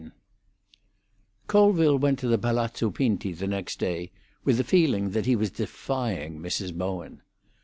X Colville went to Palazzo Pinti next day with the feeling that he was defying Mrs. Bowen.